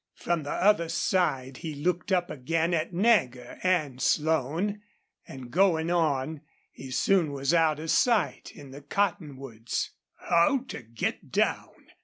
From the other side he looked up again at Nagger and Slone, and, going on, he soon was out of sight in the cottonwoods. "How to get down!"